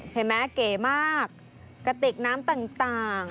เห็นมั้ยเก๋มากกระติกน้ำต่าง